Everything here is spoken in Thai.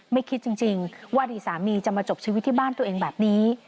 ไม่คิดจริงว่าอดีตสามีจะมาจบชีวิตที่บ้านตัวเองแบบนี้